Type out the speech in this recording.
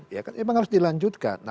ya kan memang harus dilanjutkan